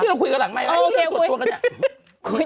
โอเคคุย